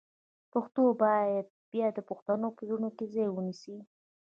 پښتو باید بیا د پښتنو په زړونو کې ځای ونیسي.